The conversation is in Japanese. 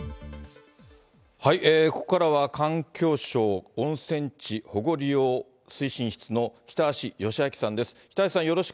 ここからは環境省温泉地保護利用推進室の北橋義明さんです。